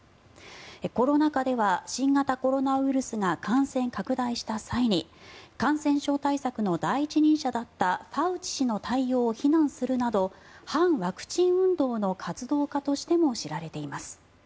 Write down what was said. コロナ禍では新型コロナウイルスが感染拡大した際に感染症対策の第一人者だったファウチ氏の対応を非難するなど反ワクチン運動の活動家としても知られています。